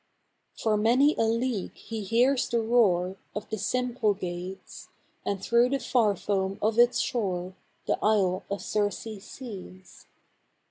For many a league he hears the roar Of the Symplegades; And through the far foam of its shore The Isle of Circe sees.